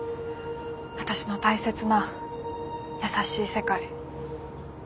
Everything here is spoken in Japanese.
私の大切な優しい世界。